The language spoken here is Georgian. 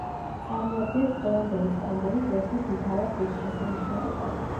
წარმოადგენს დღევანდელი სტამბოლის ერთ-ერთ მთავარ ღირსშესანიშნაობას.